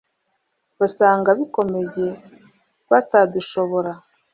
basange bikomeye batadushobora